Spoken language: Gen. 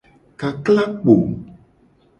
Kakla kpo.